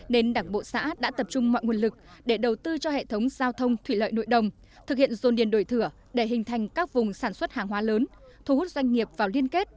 nên đảng bộ xã đã tập trung mọi nguồn lực để đầu tư cho hệ thống giao thông thủy lợi nội đồng thực hiện dồn điền đổi thừa để hình thành các vùng sản xuất hàng hóa lớn